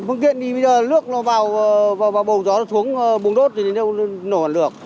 phương tiện thì bây giờ lước vào bồng gió xuống bùng đốt thì nó nổ hẳn lược